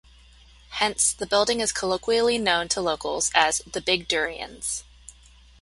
Hence, the building is colloquially known to locals as "the big durians".